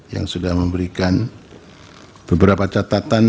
yang sudah memberikan beberapa catatan